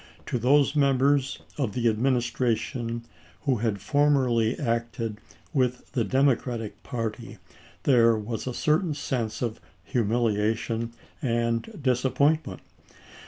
To those members of the Ad ministration who had formerly acted with the Democratic party there was a certain sense of humiliation and disappointment.